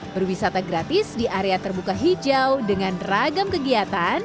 berwisata gratis di area terbuka hijau dengan ragam kegiatan